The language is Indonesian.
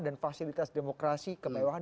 dan fasilitas demokrasi kemewahan